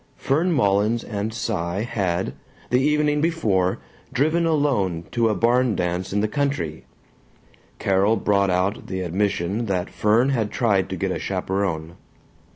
Fern Mullins and Cy had, the evening before, driven alone to a barn dance in the country. (Carol brought out the admission that Fern had tried to get a chaperon.)